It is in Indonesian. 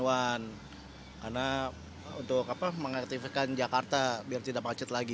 karena untuk mengaktifkan jakarta biar tidak macet lagi